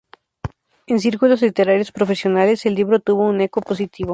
En círculos literarios profesionales, el libro tuvo un eco positivo.